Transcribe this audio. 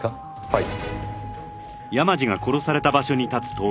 はい。